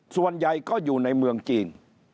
ส่วนใหญ่ก็อยู่ในเมืองจีน